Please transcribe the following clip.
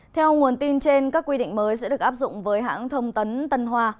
theo nguồn tin trên các quy định mới sẽ được áp dụng với hãng thông tấn tân hoa